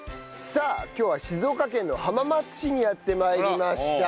さあ今日は静岡県の浜松市にやって参りました。